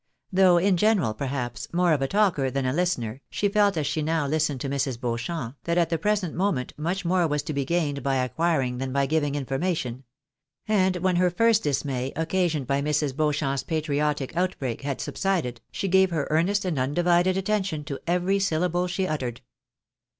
Though in general, perhaps, more of a talker than a listener, she felt as she now listened to Mrs. Beauchamp, that at the present moment much more was to be gained by acquiring than by giving information ; and when her first dismay, occasioned by Mrs. Beau champ's patriotic outbreak, had subsided, she gave her earnest and undivided attention to every syllable she uttered.